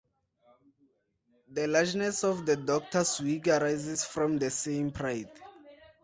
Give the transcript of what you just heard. The largeness of the doctor's wig arises from the same pride.